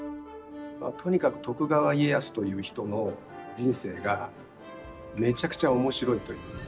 とにかく徳川家康という人の人生がめちゃくちゃ面白いということに尽きるんですけど。